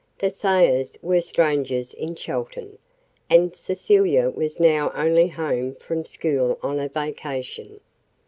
The Thayers were strangers in Chelton, and Cecilia was now only home from school on a vacation.